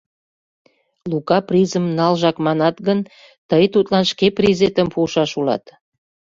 Лука призым налжак манат гын, тый тудлан шке призетым пуышаш улат.